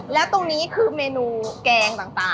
แล้วตรงนี้คือเมนูแกงต่าง